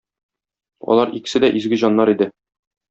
Алар икесе дә изге җаннар иде.